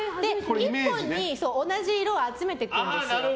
１個に同じ色を集めていくんです。